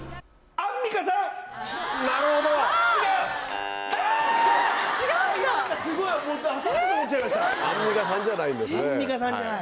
アンミカさんじゃない。